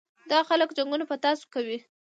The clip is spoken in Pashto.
دا خلک جنګونه په تاسو کوي.